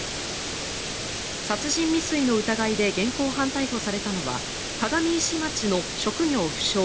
殺人未遂の疑いで現行犯逮捕されたのは鏡石町の職業不詳